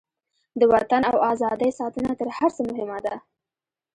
د وطن او ازادۍ ساتنه تر هر څه مهمه ده.